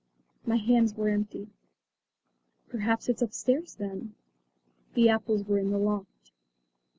My hands were empty. "Perhaps it's upstairs then?" The apples were in the loft.